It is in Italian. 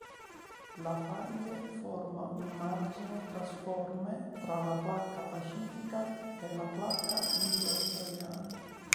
La faglie forma un margine trasforme tra la placca pacifica e la placca indo-australiana.